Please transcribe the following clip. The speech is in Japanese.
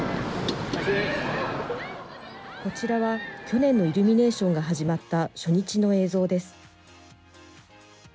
こちらは去年のイルミネーションが始まった初日の映像です。